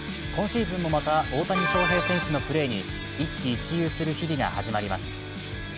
今シーズンもまた大谷翔平選手のプレーに一喜一憂する日々が始まります。